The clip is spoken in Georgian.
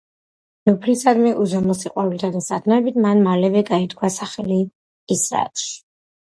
უფლისადმი უზომო სიყვარულითა და სათნოებით მან მალევე გაითქვა სახელი ისრაელში.